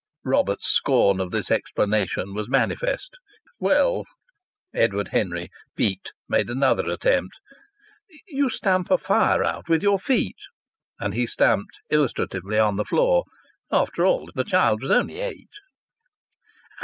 Robert's scorn of this explanation was manifest. "Well," Edward Henry, piqued, made another attempt, "you stamp a fire out with your feet." And he stamped illustratively on the floor. After all, the child was only eight.